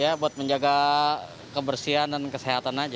ya buat menjaga kebersihan dan kesehatan aja